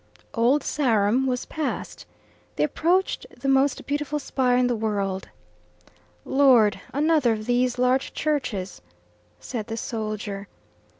Old Sarum was passed. They approached the most beautiful spire in the world. "Lord! another of these large churches!" said the soldier.